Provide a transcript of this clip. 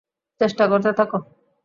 চেষ্টা করতে থাকো।